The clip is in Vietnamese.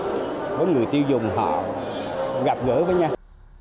cho người tiêu dùng họ gặp gỡ với nhau